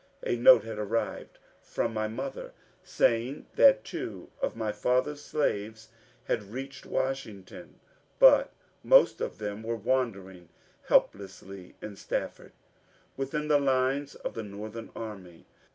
^ A note had arrived from my mother saying that two of my father's slaves had reached Washington, but most of them were wandering helplessly in Stafford within the lines of the Northern army.